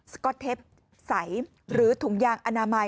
ก๊อตเทปใสหรือถุงยางอนามัย